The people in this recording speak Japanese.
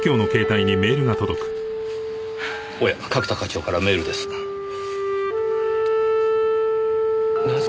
おや角田課長からメールです。